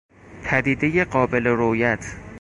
پدیدهی قابل رویت